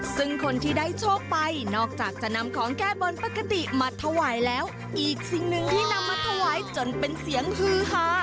ซึ่งคนที่ได้โชคไปนอกจากจะนำของแก้บนปกติมาถวายแล้วอีกสิ่งหนึ่งที่นำมาถวายจนเป็นเสียงฮือฮา